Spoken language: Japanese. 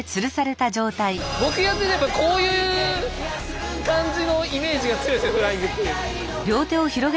僕やってたのはやっぱこういう感じのイメージが強いですよフライングって。